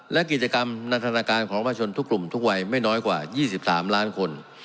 และกิจกรรมนันทนาการของประชนทุกกลุ่มทุกวัยไม่น้อยกว่า๒๓ล้านคน